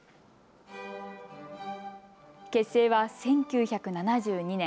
結成は１９７２年。